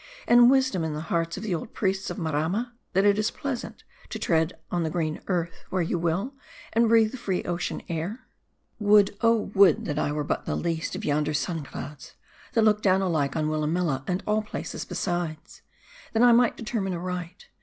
and wisdom in the hearts of the old priests of Maramma ; that it is pleasant to ,tread the green earth where you will ; and breathe the free ocean air ? Would,' oh would, that I were but the least of yonder sun clouds, that look down alike on Willamilla and all places besides, that I might determine aright.